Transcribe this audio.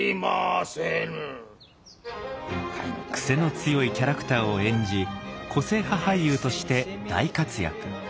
癖の強いキャラクターを演じ個性派俳優として大活躍。